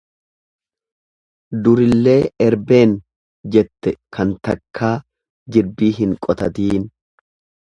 Durillee erbeen jette kan takkaa jirbii hin qotatiin.